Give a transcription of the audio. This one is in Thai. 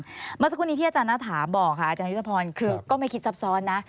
เมื่อสักครู่นี้ที่อาจารย์ณฐาบอกค่ะอาจารยุทธพรคือก็ไม่คิดซับซ้อนนะ